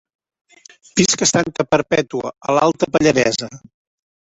Visc a Santa Perpètua, a l'Alta Pallaresa.